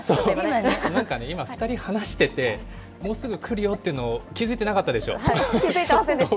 なんかね、今、２人話してて、もうすぐくるよっていうの、気付気付いてませんでした。